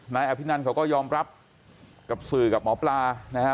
นายอภินันเขาก็ยอมรับกับสื่อกับหมอปลานะฮะ